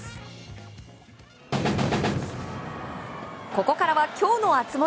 ここからはきょうの熱盛。